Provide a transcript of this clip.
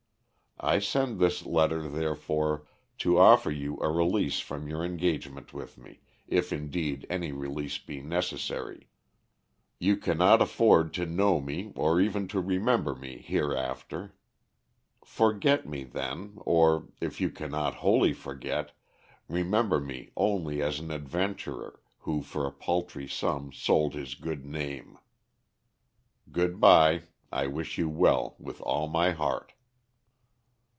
I send this letter, therefore, to offer you a release from your engagement with me, if indeed any release be necessary. You cannot afford to know me or even to remember me hereafter. Forget me, then, or, if you cannot wholly forget, remember me only as an adventurer, who for a paltry sum sold his good name. "Good by. I wish you well with all my heart."